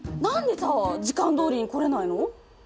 何でさ時間どおりに来れないの？